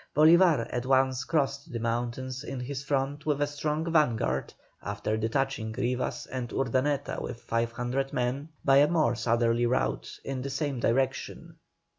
Bolívar at once crossed the mountains in his front with a strong vanguard, after detaching Rivas and Urdaneta with 500 men, by a more southerly route, in the same direction.